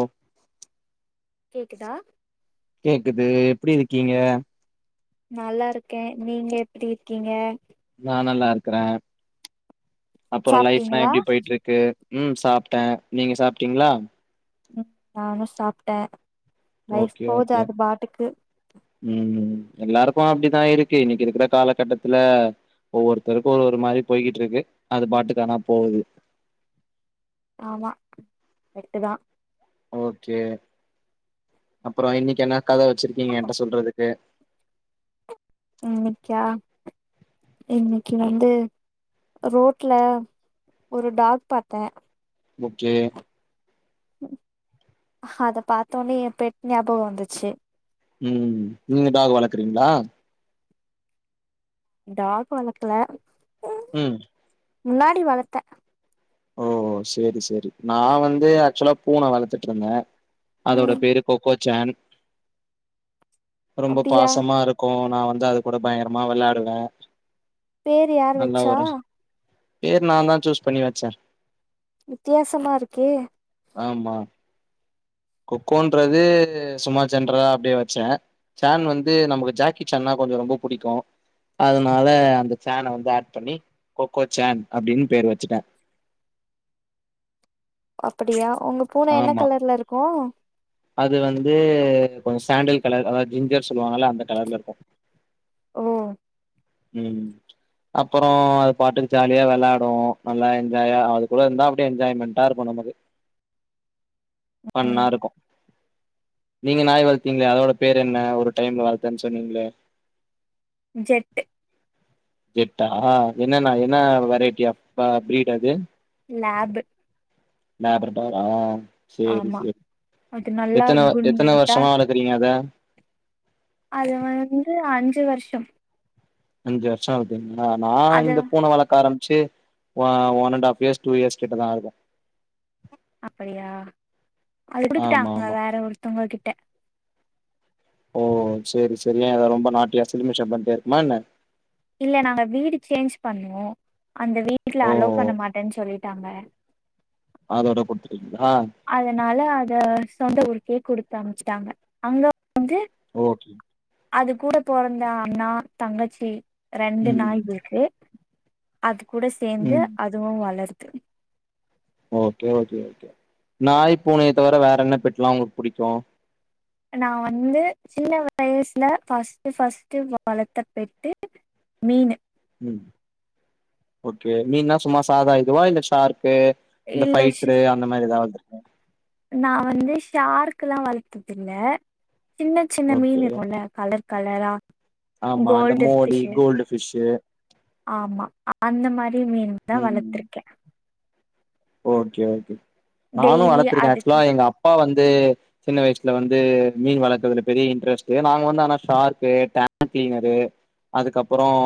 ஓ கேக்குதா கேக்குது எப்டி இருக்கீங்க நல்லா இருக்கேன் நீங்க எப்படி இருக்கீங்க நா நல்லா இருக்குறேன் அப்புறம் லைப்ல்லாம் சாப்ட்டீங்களா எப்படி போயிட்டு இருக்கு உம் சாப்டே நீங்க சாப்பிட்டீங்களா உம் நானும் சாப்பிட்டேன் லைஃப் ஓகே போது ஓகே அது பாட்டுக்கு எல்லாருக்கும் அப்டிதா இருக்கு இன்னைக்கு இருக்கிற காலகட்டத்துல ஒவ்வொருத்தருக்கும் ஒரு ஒரு மாதிரி போய்கிட்டு இருக்கு அது பாட்டுக்கானா போது ஆமா கரட்டுத்தா ஓகே அப்புறம் இன்னிக்கி என்ன கத வச்சிருக்கீங்க ஏன்ட சொல்றதுக்கு இன்னைக்கா இன்னைக்கு வந்து ரோட்ல ஒரு டாக் பார்த்தேன் ஓகே அத பார்த்தோனே என் பெட் ஞாபகம் வந்துச்சு உம் நீங்க டாக் வளர்க்குறீங்களா டாக் வளக்கல உம் முன்னாடி வளத்தே ஓ சரி சரி நா வந்து ஆக்சுவலா பூன வளர்த்துட்டு இருந்தேன் அதோட ம் பேரு கொக்கோச் ஜான் ரொம்ப அப்டியா பாசமா இருக்கும் நா வந்து அது கூட பயங்கரமா விளையாடுவேன் பேரு யார் வச்சா பேரு நா தான் சூஸ் பண்ணி வச்சேன் வித்தியாசமா இருக்கே ஆமா கொக்கோன்றது சும்மா ஜென்றலா அப்படியே வச்சேன் சேன் வந்து நமக்கு ஜாக்கி சேன்னா கொஞ்சம் ரொம்ப பிடிக்கும் அதனால அந்த சேன வந்து ஆட் பண்ணி கொக்கோ சேன் அப்படின்னு பேர் வச்சுட்டேன் அப்படியா உங்க பூன என்ன ஆமா கலர்ல இருக்கும் அது வந்து கொஞ்சம் சாண்டில் கலர் அதா ஜிஞ்சர் சொல்லுவாங்கல அந்த கலர்ல இருக்கும் ஓ உம் அப்பறம் அது பாட்டுக்கு ஜாலியா விளாடும் நல்லா என்ஜாயா அது கூட இருந்தா அப்டியே என்ஜாய்மெண்ட்டா இருக்கும் நமக்கு ஃபண்ணா ம் இருக்கும் நீங்க நாய் வளத்தீங்களே அதோட பேர் என்ன ஒரு டைம்ல வளத்தேனு சொன்னீங்களே ஜெட் ஜெட்டா என்னன்னா என்ன வெரைட்டி ஆப் பீடு அது லேப் லேப் ஆ சேரி ஆமா சேரி அது நல்லா எத்தன எத்தன குண்டா வருஷமா வளக்குறீங்க அத அது வந்து அஞ்சு வருஷம் அஞ்சு வருஷம் ஆவுது ஆ நா அது இந்த பூன வளக்க ஆரம் ச்சு அ one and half years two years கிட்டதான் ஆயிரு அப்படியா அது ஆமா குடுத்துட்டாங்க ஆமா வேற ஒருத்தவங்க கிட்ட ஓ செரி செரி ஏன் அத ரொம்ப நாட்டியா சிலுமிஷம் பண்ணிட்டே இருக்குமா என்ன இல்ல நாங்க வீடு சேஞ்ச் பண்ணோம் அந்த வீட்ல ஓ அலோ பண்ண மாட் டேன்னு சொல்லிட்டாங்க அதோட குடுத்துட்டிங் அதனால அத சொந்த ஊர்கே கொடுத்து அமிச்சிட்டாங்க அங்க வந்து ஓகே அது கூடபொறந்த அண்ணா தங்கச்சி ரெண்டு ம் நாய் இருக்கு அது கூட சேர்ந்து ம் அதுவும் வளர் ஓகே ஓகே ஓகே நாய் பூனைய தவிர வேற என்ன பெட்லாம் உங்களுக்கு புடிக்கும் நா வந்து சின்ன வயசுல ஃபர்ஸ்ட் ஃபர்ஸ்ட் வளத்த பெட்டு மீனு ம் ஓகே மீன்னா சும்மா சாதா இதுவா இல்ல சார் கு இந்த இல்ல ஷி ஃபைட்ரு அந்த மாதிரி ஏதாது நா வந்து ஷார்லா வளத்தது இல்ல சின்ன சின்ன ஓகே மீன் இருக்கும்ல கலர் கலரா ஆமா அந்த கோல்டு மோடி ஃபிஷ்ஷு கோல்டு ஃபிஷ்ஷு ஆமா அந்த மாரி மீன் தான் ம் வளத்திருக்கேன் ஓகே ஓகே நானும் டெய்லி வளத்திருக்கேன் அதுக்கு ஆக்சுவலா யெங்க அப்பா வந் து சின்ன வயசுல வந்து மீன் வளக்கறதுல பெரிய யின்ட்ரஸ்ட்டு. நாங்க வந்து ஆனா ஷார்க்கு, டேங்க் கிளினரு அதுக்கப்புறம்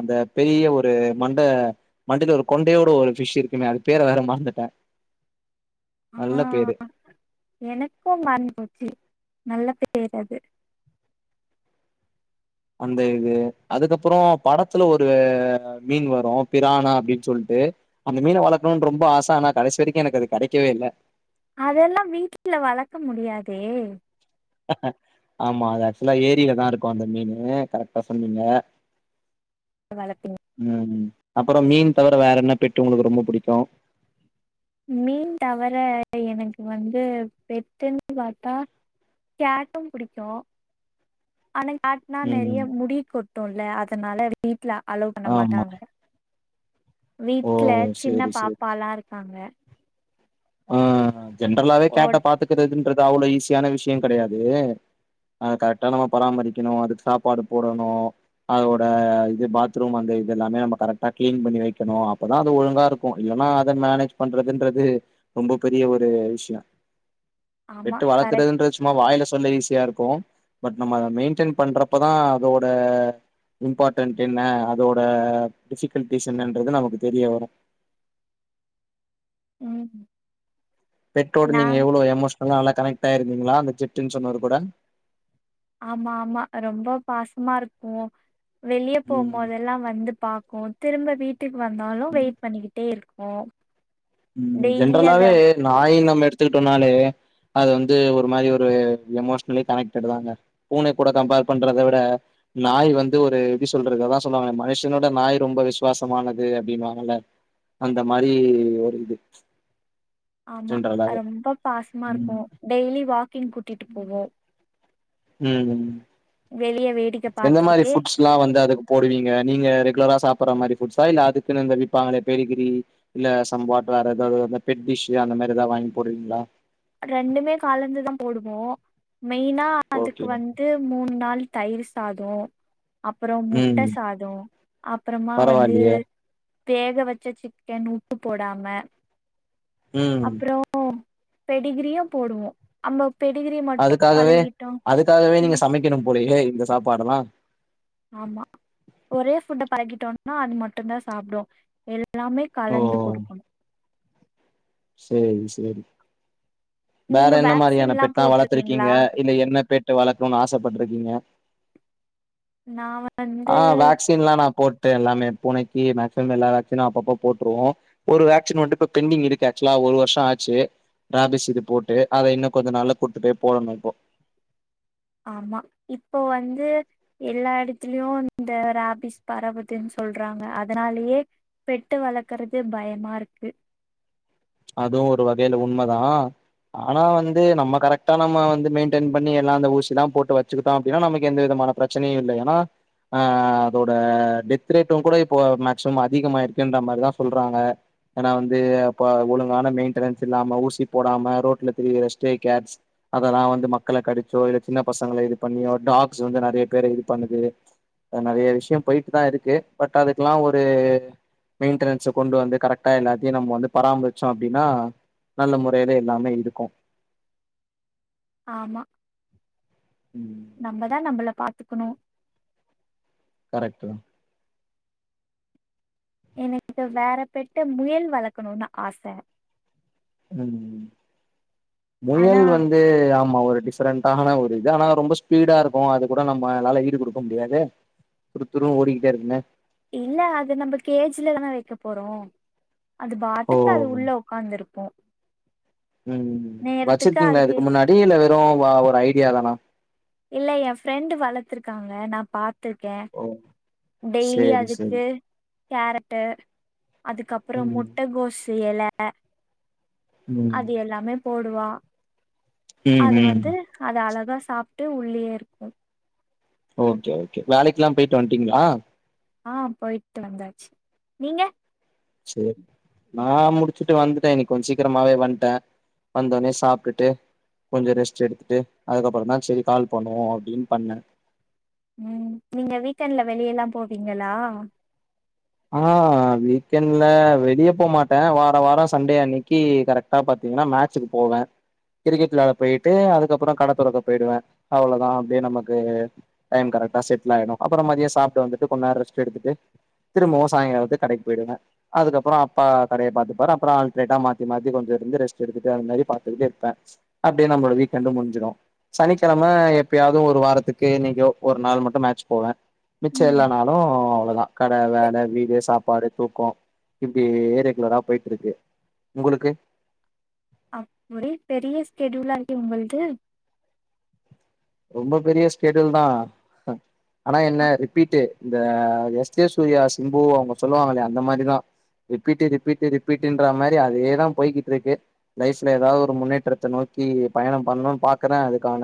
அந்த பெரிய ஒரு மண்ட மண்டைல ஒரு கொண்டையோட ஒரு ஃபிஷ் யிருக்குமே அது பேர வேற மற ந்திட்ட ஆஹ் எனக்கும் மறந்துபோச்சி நல்ல பேரது அந்த இது அதுக்கப்றம் படத்துல ஒரு மீன் வரும் பிராணா அப்டின்னு சொல்லிட்டு அந்த மீன வளக்கணும்னு ரொம்ப ஆசை ஆனா கடைசி வரைக்கும் எனக்கு அது கிடைக்கவேயில்ல அதெல்லாம் வீட்டுல வளக்க முடியாதே ஆமா அது ஆக்சுவலா ஏரியில தாருக்கும் அந்த மீனு கரெக்டா சொன்னீங்க வளப்பீங்க உம் அப்றம் மீன் தவிர வேற என்ன பெட்டு உங்களுக்கு ரொம்ப பிடிக்கும் மீன் தவிர யெனக்கு வந்து பெட்டுன்னு பாத்தா கேட்டும் பிடிக்கு ஆனா கேட்னா ம் நெறய முடி கொட்டுல்ல அதனால வீட்ல அலோ பண்ண ஆமா மாட்டாங்க ஓ வீட்ல சின்ன சேரி பாப்பாலா ருக் ஆங்க ஆஹ் ஜென்ரலாவே ஓட கேட்ட பாத்துக்கறதுன்னு அவ்ளோவ் ஈஸியான விஷயம் கெடயாது கரெக்டா நம்ம பராமரிக்கணு அதுக்கு சாப்பாடு போடணு அதோட யிது பாத்ரூம் அந்த யிதுயெல்லாமே நம்ம கரெக்டா கிளீன் பண்ணி வைக்கணும் அப்பதான் அது ஒழுங்காருக்கு யில்லன்னா அதை மேனேஜ் பண்றதுன்றது ரொம்ப பெரிய ஒரு விஷய ஆமா பெட்டு கரெக்ட் வளர்க்கறதுன்ற சும்மா வாய்ல சொல்ல ஈஸியாருக்கு பட் நம்ம அதை மெயின்டைன் பண்றப்பதான் அதோட இம்பார்ட் என்ன அதோட டிஃபிகல்டிஸ் என்னன்றது நமக்கு தெரிய வரும் உம் பெட்டோடு நீங்க எவ்ளோ எமோஸ் அதல்லா நல்லா கனெக்ட்டாயிருந்தீங்களா அந்த ஜட்டுன்னு சொன்னது கூட ஆமா ஆமா ரொம்ப பாசமாருக்கு வெளியே ம் போம்போதெல்லா வந்து பாக்கு திரும்ப வீட்டு வீட்டுக் வந்தாலு வெயிட் பண்ணிக்கிட்டேருக்கு ஹோ உம் ஜென்ரல்லாவே நாய்னா நம்ம எடுத்துக்கிட்டோனாலே அது வந்து ஒரு மாரி ஒரு எமோஷனலி கனெக்ட்டடு தாங்க பூனை கூட கம்பேர் பண்றத விட நாய் வந்து ஒரு எப்டி சொல்றது அதா சொல்லுவாங்கள மனுஷனோட நாய் ரொம்ப விசுவாசமானது அப்டின்னு வாங்கல்ல அந்த மாரி வெரி குட் ஸ் ஆமா ரொம்ப பாசமாருக்கு ம் டெய்லி வாக் கிங் கூட்டிட்டு போவோ அ ம் வெளிய வேடிக்க எந்த மாரி பாத்துக்கிட்டே ஃபுட்ஸ்லா வந்து அதுக்கு போடுவீங்க நீங்க ரெகுலரா சாப் சாப்புற மாரி ஃபுட்ஸா இல்ல அதுக்குனு விப்பாங்கலே பெடிகிரி இல்ல சம் வாட்டு வேற எதாவது அந்த பெட் டிஷ்ஷு அந்த மாரி எதவாது வாங்கி போடுவீங்களா ரெண்டுமே கலந்துதா போடுவோ மெயினா அதுக்கு ஓகே வந்து மூணு நாள் தயிர் சாத அப்புறம் முட்டை ம் சாதம் அப்புறமா வந்து பரவாயில்லையே வேக வச்ச சிக்கன் உப்பு போடாம ம் அப்புறம் இப்ப டிகிரியே போடுவோம் அப்ப அதுக்காகவே அதுக்காகவே நீங்க ம் சமைக்கணும் போலயே இல்ல இந்த சாப்பாடுல்லா ஆமா ஒரே ஃபுட பழகிட்டோமுனா அது மட்டும் தா சாப்டூ எல்ல எல்லாமே கலந்து குடுக்கணு சரி சரி வேற நீங்க என்ன மாரியான வேக்சின்லா பெட்லா வளர்த்திருக்கீங்க போட்ருக்கீங்களா இல்ல என்ன பெட் வளர்க்கணும்னு ஆசைப்பட்ருக்கீங்க ந ஆ வேக்சின்லா நான் போட்டு ட்டு எல்லாமே பூனைக்கி மேக்சிமம் எல்லா வேக்சினு அப்பப்போ போட்டுருவோ ஒரு வேக்சின் வந்து இப்ப பெண்டிங் இருக்கு ஆக்சுவலா ஒரு வருஷோ ஆச்சு ராபிஸ் இது போட்டு அத இன்னு கொஞ்ச நாள்ல கூப்பிட்டு போய் போடணு இப்போ ஆமா இப்போ வந்து எல்லா எடத்திலியு வந் இந்த ராபிஸ் பரவுதுன் சொல்றாங்க அதனாலேயே பெட்டு வளக்கறது பயமாருக்கு அதுவு ஒரு வகையில உண்மதா அனா வந்து நம்ம கரெக்டா நம்ம வந்து மெயின்டென் பண்ணி எல்லா அந்த ஊசிதா போட்டு வச்சுக்கிட்டோ அப்டின்னா நமக்கு எந்த விதமான பிரச்சனையு இல்ல ஏன்னா ஆ அதோட டெத் டேட்டுங் கூட இப்போ மேக்சிமம் அதிகமாயிருக்குன்ற மாரிதா சொல்றாங்க ஏனா வந்து அப்ப ஒழுங் வானோ மெயின்டனன்ஸ் இல்லாம ஊசி போடாம ரோட்ல திரியிற ஸ்டேக் கேர் அதெல்லா வந்து மக்கள கடிச்சோ இல்ல சின்ன பசங்கள இது பண்ணியோ டாக்ஸ் வந்து நறைய பேர இது பண்ணுது நறைய விஷயோ போயிட்டு தா இருக்கு பட் அதுக்லா ஒரு மெயின்டன்ஸ் கொண்டு வந்து கரெக்ட்டா எல்லாத்தையு நம்ம வந்து பராமரிக் சோ அப்டின்னா நல்ல முறையில எல்லாமே இருக்கு ஆமா ம் நம்மதா நம்பல பாத்துக்கணு பட்டு எனக்கு வேற பெட்ட முயல் வளர்க்கணும்னுு ஆச ம் ம் முயல் ஆனா வந்து ஆமா ஒரு டிஃப்ரெ்டான ஒரு இது ஆனா ரொம்ப ஸ்பீடா இருக்கு அது கூட நம்ம அதனால ஈடு குடுக்க முடியாதே துறு துறு ஓடிக்கிட்டே இருக்குமே இல்ல அது நம்ம கேஜுல தானே வைக்க போறோ அது ஓ பாட்டுக்கு அது உள்ள உக்காந்துருக்கு உம் நேரத்துக்கு வச்சிர்க்கீங்களா அதுக்கு இதுக்கு முன்னாடி? இல்ல வெறு ஒரு ஐடியாதானா இல்ல என் ஃப்ரெண்டு் வளத்துருக்காங்க நா பாத் த்துருக்க. ஓ டெய்லி சேரி சேரி அதுக்கு கேரட்டு அதுக்கப்புறோ ம் முட்டகோஸ் இல்ல ல்ல ம் அது எல்லாமே போடுவா ம் அது ம் வந்து அது அழகா சாப்ட்டு உள்ளயே இருக்கு. ஓகே ஓகே வேலைக்லா போய்ட்டு வன்ட்டீங்ளா ஆஹ் போய்ட்டு வந்தாச்சு. நீங்க சேரி நா முடிச்சுட்டு வந்துட்ட. இன்னைக்கு கொஞ்சோ சீக்ரமாவே வந்ட்ட. வந்தோனே சாப்ட்டுட்டு கொஞ்சோ ரெஸ்ட் எடுத்துட்டு அதுக்கப்புறோதா செரி கால் பண்ணுவோ. அப்டீன் பண்ண உம் நீங்க வீக்கெண்ட்ல வெளியெல்லா போவீங்களா? ஆ வீக்கெண்ட்ல வெளிய போமாட்ட வார வாரோ சண்டே அன்னைக்கு கரெக்டா பாத்தீங்ன்னா மேட்சுக்கு போவ. கிரிக்கெட்ளாட போய்ட்டு அதுக்கப்பறோ கடை தொறக்க போயிடுவ. அவ்ளோதா அப்டியே நமக்கு டைம் கரெக்டா செட்ல் ஆய்டு. அப்புறோ மதிய சாப்ட்டு வந்துட்டு கொஞ்நேரோ ரெஸ்ட் எடுத்துட்டு திரும்பவு சாயங்காலத்துக் கடைக்கு போய்டுவ. அதுக்கப்பறோ அப்பா கடைய பாத்துப்பாரு. அப்றோ ஆல்ட்ரேட்டா மாத்தி மாத்தி கொஞ்சோ இருந்து ரெஸ்ட் எடுத்துட்டு அது மாரி பார்த்துக்கட்டே இருப்ப. அப்டியே நம்ளோட வீக்கெண்டண்டும் முடுஞ்சுடு. சனிக்கிழமை எப்பயாது ஒரு வாரத்துக்கு என்னிக்கோ ஒரு நாள் மட்டு மேட்ச் போவ. மிச்சோ ம் எல்லாநாலூ வ்லதா க. வேல வேல, வீடு சாப்பாடு, தூக்கோ இப்டியே ரெகுலரா போயிட்டு இருக்கு. உங்களுக்கு அப்படீ பெரிய ஸ்டெடியூலா இருக்கே உங்குள்து ரொம்ப பெரிய ஸ்டெடில்தா ஆனா என்ன ரிப்பீட்டு் இந்த எஸ் ஜே சூரியா சிம்பு அவுங்க சொல்லுவாங்கலே அந்த மாரிதா ரிப்பீட்டு ரிப்பீட்டு ரிப்பீட்டுன்றா மாரி அதேதா போயிகிட்டிருக்கு. லைஃப்ல ஏதாது ஒரு முன்னேற்றத்த நோக்கி பயணம் பண்ணுனு பாக்குற அதுக்கான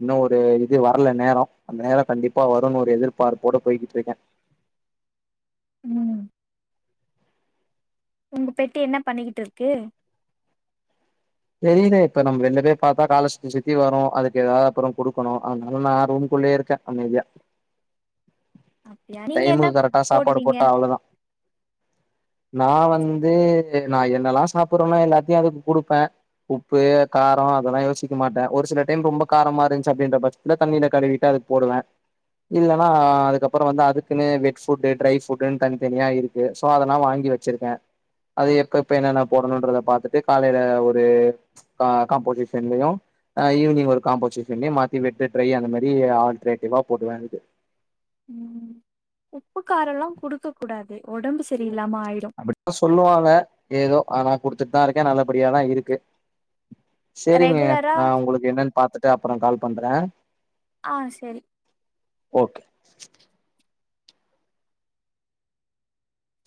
இன்னு ஒரு இது வர்ல நேரோ. அந்த நேரோ கண்டிப்பா வருன்னு ஒரு எதிர்பார்ப்போட போய்கிட்டுருக்க. ம் உங்க பெட்டு என்ன பண்ணிகிட்டு இருக்கு? தெரீல இப்ப நம்ம வெள்ல போய் பாத்தா கால சுத்தி சுத்தி வரு. அதுக்கு ஏதாது அப்புறோ குடுக்கணு. அதனால நா ரூம்குள்ளே இருக்க. அமைதியா அப்டியா நீங்க என்ன டைமுக்கு கரெக்டா சாப்பாடு போடுவீங்க போட்டா அவ்ளோதா. நா வந்து நா என்னல்லா சாப்படறனோ எல்லாத்தியு அதுக்கு குடுப்ப. உப்பு காரோ அதெல்லா யோசிக்க மாட்ட. ஒரு சில டைம் ரொம்ப காரமா இருந்துச்சு அப்டின்ற பட்சத்துல தண்ணீல கழுவிட்டு அதுக் போடுவ. இல்லனா அதுக்கப்றோ வந்து அதுக்குன்னு வெட் ஃபுட்டு ட்ரை ஃபுட்டுன்னு தனித்தனியா இருக்கு. சோ அதெல்லா வாங்கி வச்சிருக்க. அது எப்ப எப்ப என்னென்ன போடணுன்றத பாத்துட்டு காலேல ம் ம்ச அ காம்போசிஷன்லயு ஈவினிங் ஒரு காம்போசிஷன்லயு மாத்தி வெட்டு ட்ரை அந்த மாரி ஆல்ட்ரேடிவா போடுவே அதுக்கு. ம் உப்புக்காரோல்லா குடுக்க கூடாது. ஒடம்பு சரி அப்பிடித்தா சொல்லுவாங்க. ஏதோ ஆனா குடுத்துட்தா இருக்க. நல்லபடியாதா இருக்கு. சேரிங்க. ரெகுலரா நான் உங்களுக்கு என்னன் பாத்துட்டு அப்பறோ கால் பண்றன். ஆ செரி ஓகே